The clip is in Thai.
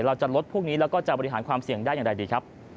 เราจะลดพวกนี้แล้วก็จะบริหารความเสี่ยงได้อย่างไรดีครับ